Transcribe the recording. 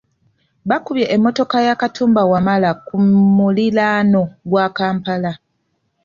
Bakubye emmotoka ya Katumba Wamala ku muliraano gwa Kampala.